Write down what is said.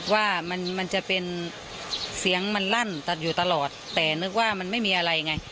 ว่ามันมันจะเป็นเสียงมันลั่นตัดอยู่ตลอดแต่นึกว่ามันไม่มีอะไรไง